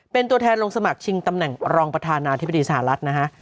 เป็นตัวแทนลงสมัครชิงตำแหน่งรองประธานาธิบดีสหรัฐนะฮะ